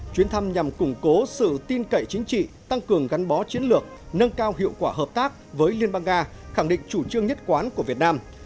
chuyến thăm nhằm củng cố sự tin cậy chính trị tăng cường gắn bó chiến lược nâng cao hiệu quả hợp tác với liên bang nga khẳng định chủ trương nhất quán của việt nam